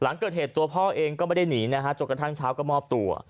หลังเกิดเหตุตัวพ่อเองก็ไม่ได้หนีนะฮะจนกระทั่งเช้าก็มอบตัว